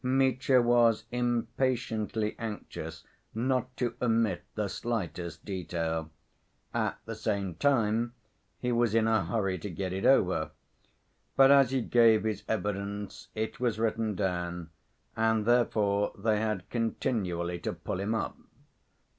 Mitya was impatiently anxious not to omit the slightest detail. At the same time he was in a hurry to get it over. But as he gave his evidence it was written down, and therefore they had continually to pull him up.